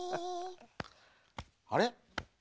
あれ？